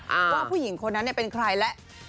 ว่าผู้หญิงคนนั้นเป็นใครแหละ